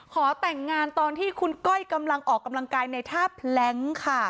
ขอแต่งงานตอนที่คุณก้อยกำลังออกกำลังกายในท่าแพล้งค่ะ